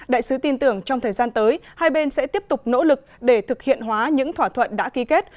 đại sứ tin tưởng trong thời gian tới hai bên sẽ tiếp tục nỗ lực để thực hiện hóa những thỏa thuận đã ký kết